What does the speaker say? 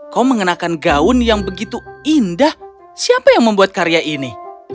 kau mengenakan gaun yang begitu indah siapa yang membuat karya ini